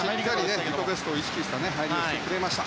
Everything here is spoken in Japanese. しっかり自己ベストを意識した入りをしてくれました。